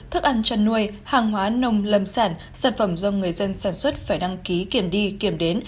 thức ăn chăn nuôi hàng hóa nông lâm sản sản phẩm do người dân sản xuất phải đăng ký kiểm đi kiểm đếm